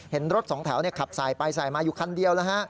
เห็นรถสองแถวขับสายไปสายมาอยู่คันเดียวแล้วฮะ